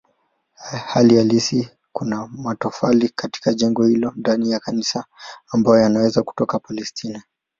Hali halisi kuna matofali katika jengo hilo ndani ya kanisa ambayo yanaweza kutoka Palestina.